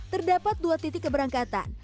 terdapat dua titik keberangkatan